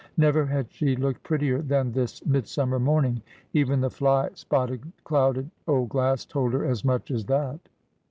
Never had she looked prettier than this midsummer morning. Even the fly spotted clouded old glass told her as much as that.